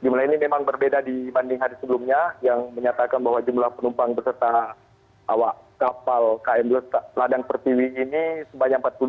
jumlah ini memang berbeda dibanding hari sebelumnya yang menyatakan bahwa jumlah penumpang berserta kapal km ladang pertiwi ini sebanyak empat puluh dua